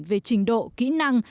về trình độ kỹ năng